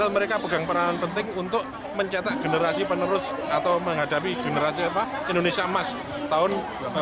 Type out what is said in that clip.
dan mereka pegang peranan penting untuk mencatat generasi penerus atau menghadapi generasi indonesia emas tahun dua ribu empat puluh lima